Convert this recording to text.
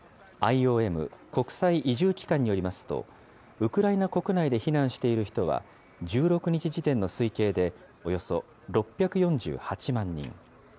ＩＯＭ・国際移住機関によりますと、ウクライナ国内で避難している人は、１６日時点の推計でおよそ６４８万人。